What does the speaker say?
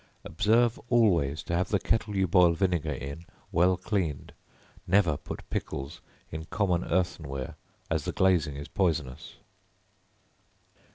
Observe always to have the kettle you boil vinegar in well cleaned; never put pickles in common earthen ware, as the glazing is poisonous.